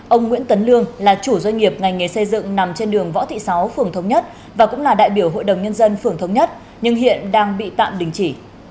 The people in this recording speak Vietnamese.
ông nguyễn tấn lương là chủ doanh nghiệp ngành nghề xây dựng nằm trên đường võ thị sáu phường thống nhất và cũng là đại biểu hội đồng nhân dân phường thống nhất nhưng hiện đang bị tạm đình chỉ